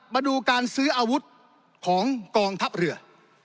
มาดูการซื้ออาวุธของกองทัพเรือ